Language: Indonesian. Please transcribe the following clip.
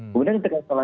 kemudian setelah saya